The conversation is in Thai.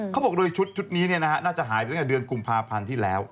เขาบอกโดยชุดนี้น่าจะหายไปตั้งแต่เดือนกุมภาพันธ์ที่แล้ว